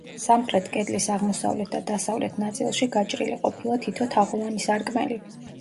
სამხრეთ კედლის აღმოსავლეთ და დასავლეთ ნაწილში გაჭრილი ყოფილა თითო თაღოვანი სარკმელი.